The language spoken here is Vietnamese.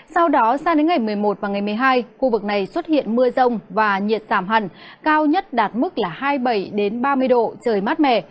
sau đó sang đến ngày một mươi một và ngày một mươi hai khu vực này xuất hiện mưa rông và nhiệt giảm hẳn cao nhất đạt mức là hai mươi bảy ba mươi độ trời mát mẻ